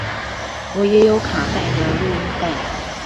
我也有卡帶的錄音帶